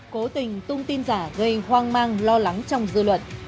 cố tình tung tin giả gây hoang mang lo lắng trong dư luận